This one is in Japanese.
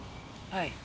はい。